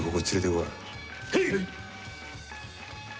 はい。